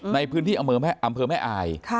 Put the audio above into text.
ในพื้นที่อำเภอแม่อาย